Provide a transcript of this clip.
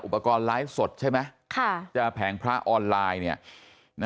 อุปกรณ์ไลฟ์สดใช่ไหมแผงพระออนไลน์